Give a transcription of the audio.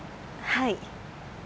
はい。